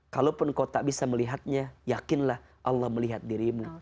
kalaupun kau tak bisa melihatnya yakinlah allah melihat dirimu